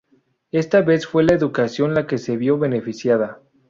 Esta vez fue la educación la que se vio beneficiada.